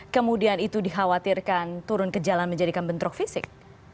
kemudian itu dikhawatirkan turun ke jalan menjadikan bentrok fisik